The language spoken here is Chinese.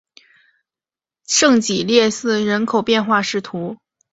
圣普列斯特人口变化图示